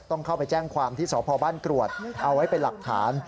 ต้องเข้าไปแจ้งความที่สพบ้านกรวดเอาไว้เป็นหลักฐาน